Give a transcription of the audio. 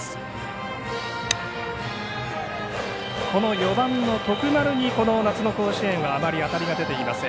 この４番の徳丸に、この夏の甲子園はあまり当たりが出ていません。